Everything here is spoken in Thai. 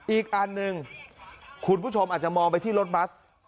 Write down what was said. อีกอันหนึ่งคุณผู้ชมอาจจะมองไปที่รถบัส